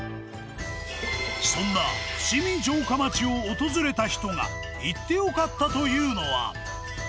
そんな伏見城下町を訪れた人が行って良かったというのは。